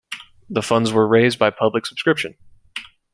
The funds were raised by public subscription.